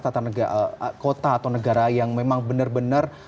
tata kota atau negara yang memang benar benar